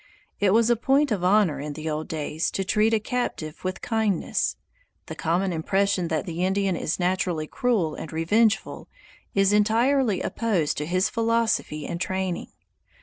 It was a point of honor in the old days to treat a captive with kindness. The common impression that the Indian is naturally cruel and revengeful is entirely opposed to his philosophy and training.